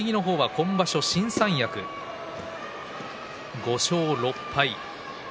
今場所、新三役５勝６敗。